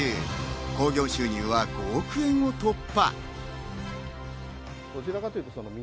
興行収入は５億円を突破。